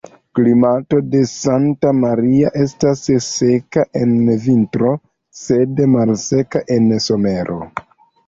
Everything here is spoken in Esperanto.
Klimato de Santa Maria estas seka en vintro, sed malseka en somero.